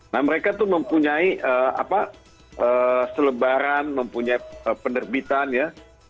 nah mereka tuh mempunyai apa selebaran mempunyai penerbitan ya